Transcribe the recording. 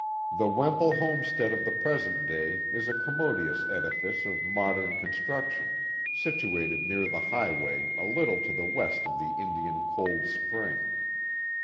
The Wemple homestead of the present day is a com modious edifice of modern construction, situated near the highway a little to the west of the Indian cold spring.